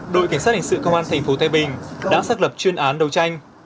đội kiến sát hành sự công an thành phố thái bình đã xác lập chuyên án đấu tranh